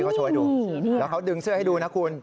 เขาโชว์ดูแล้วเขาดึงเสื้อให้ดูนะคุณ